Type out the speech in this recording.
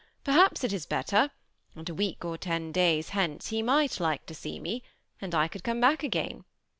Perhaps it is better ; and a week or ten days hence, he might like to see me, and I could come back again."